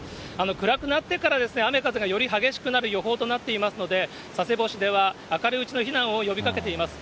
暗くなってから雨、風がより激しくなる予報となっていますので、佐世保市では、明るいうちの避難を呼びかけています。